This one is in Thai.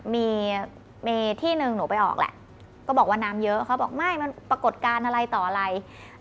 มีมีที่หนึ่งหนูไปออกแหละก็บอกว่าน้ำเยอะเขาบอกไม่มันปรากฏการณ์อะไรต่ออะไร